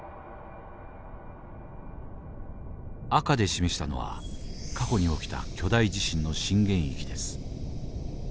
赤で示したのは過去に起きた巨大地震の震源域です。